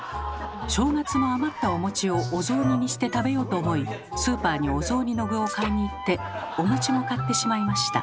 正月の余ったお餅をお雑煮にして食べようと思いスーパーにお雑煮の具を買いに行ってお餅も買ってしまいました。